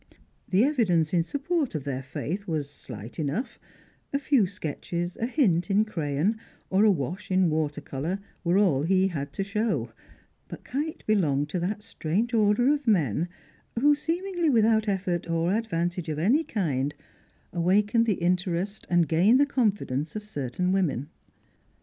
The evidence in support of their faith was slight enough; a few sketches, a hint in crayon, or a wash in water colour, were all he had to show; but Kite belonged to that strange order of men who, seemingly without effort or advantage of any kind, awaken the interest and gain the confidence of certain women.